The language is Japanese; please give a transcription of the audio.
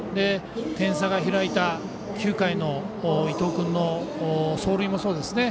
点差が開いた９回の伊藤君の走塁もそうですね。